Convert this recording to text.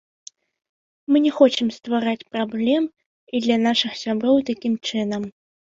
Мы не хочам ствараць праблем і для нашых сяброў такім чынам.